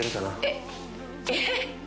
えっえっ！？